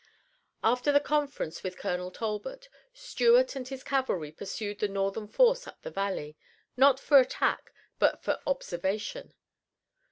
After the conference with Colonel Talbot, Stuart and his cavalry pursued the Northern force up the valley, not for attack, but for observation.